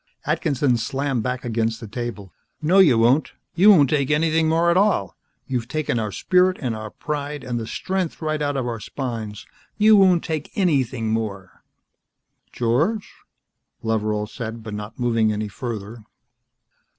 Atkinson slammed back against the table. "No, you won't. You won't take anything more at all. You've taken our spirit and our pride and the strength right out of our spines. You won't take anything more!" "George?" Loveral said, but not moving any further.